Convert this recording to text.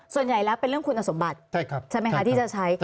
ส่วนใหญ่แล้วเป็นเรื่องคุณสมบัติใช่ไหมคะที่จะใช้